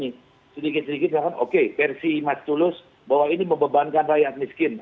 jangan sampai begini sedikit sedikit oke versi mas tulus bahwa ini membebankan rakyat miskin